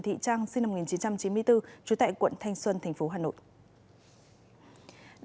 thị trang sinh năm một nghìn chín trăm chín mươi bốn trú tại quận thanh xuân tp hà nội